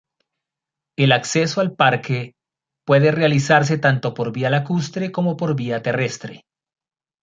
El acceso al parque puede realizarse tanto por vía lacustre como por vía terrestre.